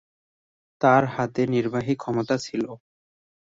তার হাতে নির্বাহী ক্ষমতা ছিল।